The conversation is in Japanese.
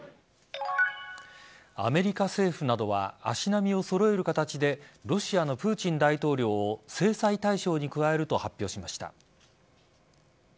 アメリカ政府などは足並みを揃える形でロシアのプーチン大統領を制裁対象に加えると発表しました。